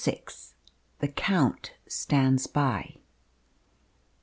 THE COUNT STANDS BY.